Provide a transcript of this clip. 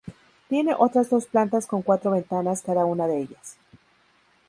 Tiene otras dos plantas con cuatro ventanas cada una de ellas.